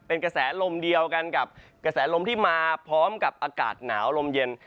เป็นกระแสลมเดียวกันกับกระแสลมที่มาพร้อมกับอากาศหนาวลมเย็น